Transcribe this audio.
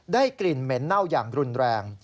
กลิ่นเหม็นเน่าอย่างรุนแรง